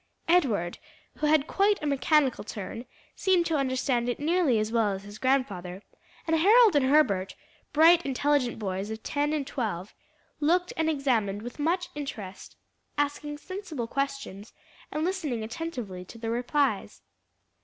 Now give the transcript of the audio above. Edward, who had quite a mechanical turn, seemed to understand it nearly as well as his grandfather, and Harold and Herbert, bright, intelligent boys of ten and twelve, looked and examined with much interest, asking sensible questions and listening attentively to the replies.